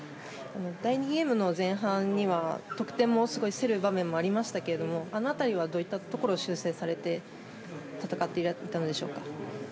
第２ゲームの前半には得点もすごく競る場面もありましたがあの辺りは、どういったところを修正されてやっていたんでしょうか？